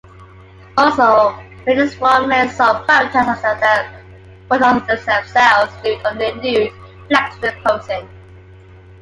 Also, many strongmen sold photos of themselves nude or near-nude, flexing and posing.